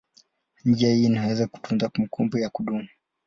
Njia hii inaweza kutunza kumbukumbu ya kudumu.